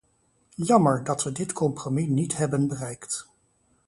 Jammer, dat we dit compromis niet hebben bereikt.